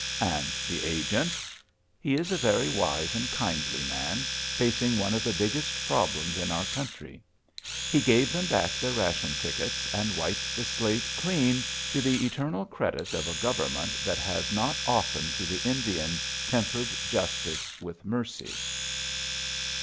And the agent? He is a very wise and kindly man, facing one of the biggest problems in our country. He gave them back their ration tickets and wiped the slate clean, to the eternal credit of a Government that has not often to the Indian tempered justice with mercy.